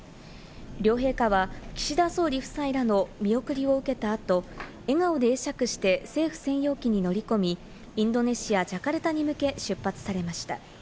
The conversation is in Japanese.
両陛下は岸田総理夫妻らの見送りを受けた後、笑顔で会釈して政府専用機に乗り込み、インドネシア、ジャカルタに向け、出発されました。